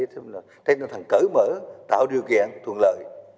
thấy là thằng cởi mở tạo điều kiện thuận lợi